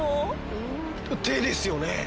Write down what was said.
手ですよね。